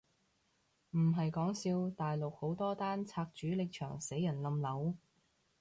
唔係講笑，大陸好多單拆主力牆死人冧樓？